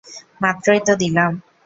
মাত্রই তো দিলাম।